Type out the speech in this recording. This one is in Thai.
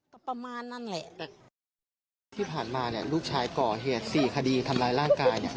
ก็ประมาณนั้นแหละแต่ที่ผ่านมาเนี่ยลูกชายก่อเหตุ๔คดีทำร้ายร่างกายเนี่ย